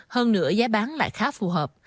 hơn nửa giá bán lại khá phù hợp